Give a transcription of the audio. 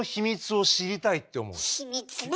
秘密ね！